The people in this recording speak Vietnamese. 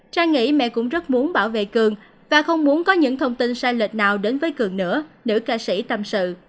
tra nghĩ mẹ cũng rất muốn bảo vệ cường và không muốn có những thông tin sai lệch nào đến với cường nữa nữ ca sĩ tâm sự